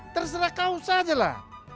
terserah kau sajalah